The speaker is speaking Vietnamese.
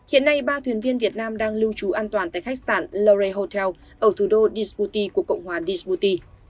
hiện nay ba thuyền viên việt nam đang lưu trú an toàn tại khách sạn luray hotel ở thủ đô disputi của cộng hòa disputi